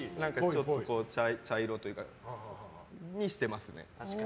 ちょっと茶色というかにしてますね。